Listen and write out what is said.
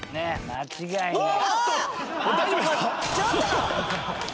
間違いない。